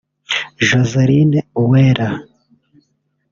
Joseline Uwera